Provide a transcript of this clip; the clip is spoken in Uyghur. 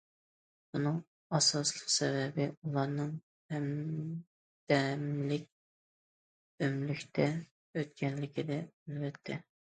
بۇنىڭ ئاساسلىق سەۋەبى، ئۇلارنىڭ ھەمدەملىك، ئۆملۈكتە ئۆتكەنلىكىدە، ئەلۋەتتە.